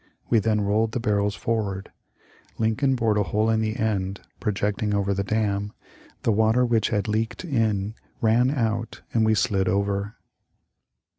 We then rolled the barrels forward ; Lincoln bored a hole in the end [projecting] over the dam; the water which had leaked in ran out and we slid over."